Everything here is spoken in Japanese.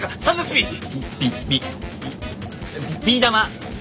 びビー玉。